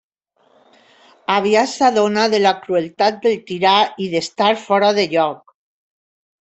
Aviat s'adona de la crueltat del tirà i d'estar fora de lloc.